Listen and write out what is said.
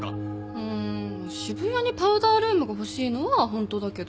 うーん渋谷にパウダールームが欲しいのはホントだけど。